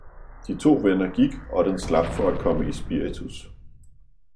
De to venner gik, og den slap for at komme i spiritus.